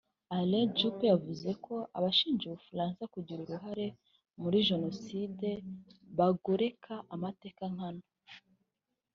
Alain Juppé yavuze ko abashinja u Bufaransa kugira uruhare muri Jenoside bagoreka amateka nkana